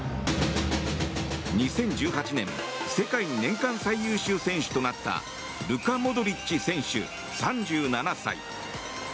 ２０１８年世界年間最優秀選手となったルカ・モドリッチ選手、３７歳。